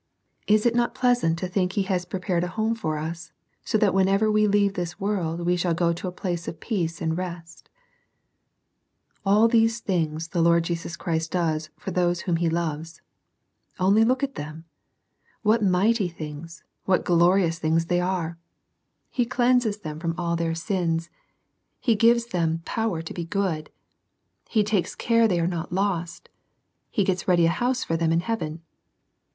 Is it not pleasant to think He has prepared a home for us, so that whenever we leave this world we shall go to a place of peace and rest All these things the Lord Jesus Christ does for those whom He loves. Only look at them ! What mighty things, what glorious things they are I He cleanses them itom a)Ci >2a&\i ^\xs&. He SEEKING THE LORD EARLY. II7 gives them power to be good. He takes care they are not lost. He gets ready a house for them in heaven.